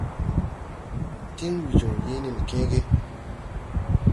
Tin weejoo yee nen kęę ge.